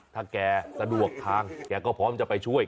ถ้าแกสะดวกทางแกก็พร้อมจะไปช่วย